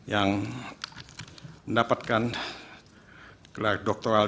yang mendapatkan gerak doktoral